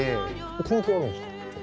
関係あるんですか？